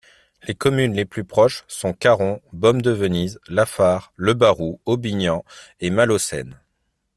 Les communes les plus proches sont Caromb, Beaumes-de-Venise, Lafare, Le Barroux, Aubignan et Malaucène.